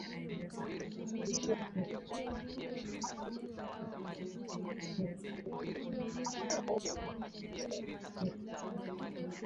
Alisika maumivu makali kutokana na risasi kuzama mkononi